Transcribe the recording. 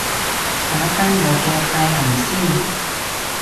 打返我嘅快含先